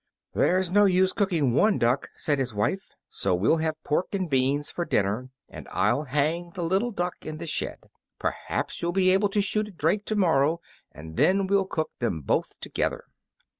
"There's no use cooking one duck," said his wife, "so we'll have pork and beans for dinner and I'll hang the little duck in the shed. Perhaps you'll be able to shoot a drake to morrow, and then we'll cook them both together."